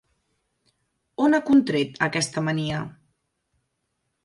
On ha contret aquesta mania?